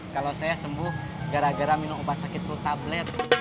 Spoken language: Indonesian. kalau saya sembuh gara gara minum obat sakit flu tablet